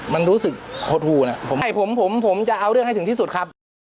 มันรู้สึกหดหูนะผมผมจะเอาเรื่องให้ถึงที่สุดครับ